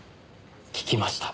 聞きました。